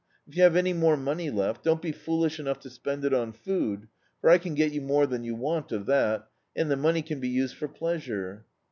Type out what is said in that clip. "If you have any more money left, don't be foolish enou^ to spend it on food, for I can get you more than you want of that, and the money can be used for pleas ure."